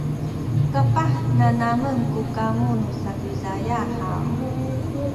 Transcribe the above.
kapah nanamen ku kamu nu Sakizaya haw?